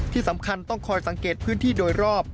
ที่สำคัญต้องคอยสังเกตพื้นที่โดยรอบ